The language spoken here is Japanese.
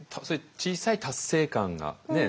小さい達成感がね